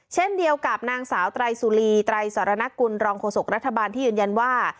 เช่นเดียวกับนางสาวไตรสุรีไตรสรณกุลรองโฆษกรัฐบาลที่ยืนยันว่า